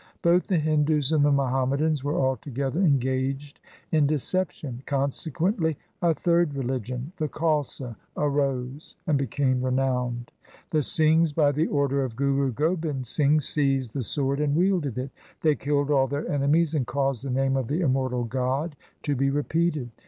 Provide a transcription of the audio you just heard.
Both the Hindus and the Muhammadans were altogether engaged in deception. Consequently a third religion, the Khalsa, arose and became renowned. The Singhs by the order of Guru Gobind Singh seized the sword and wielded it. They killed all their enemies and caused the name of the Immortal God to be repeated.